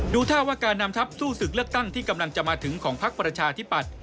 ท่าว่าการนำทัพสู้ศึกเลือกตั้งที่กำลังจะมาถึงของพักประชาธิปัตย